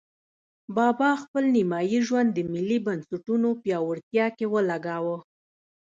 بابا خپل نیمایي ژوند د ملي بنسټونو پیاوړتیا کې ولګاوه.